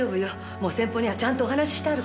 もう先方にはちゃんとお話ししてあるから。